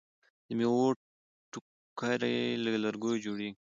د میوو ټوکرۍ له لرګیو جوړیږي.